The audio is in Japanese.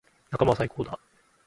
仲間は最高だ。